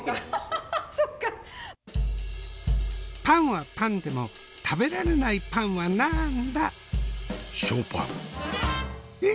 パンはパンでも食べられないパンはなんだ？